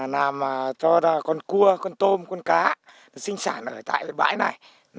làm cho con cua con tôm con cá sinh sản ở tại cái bãi này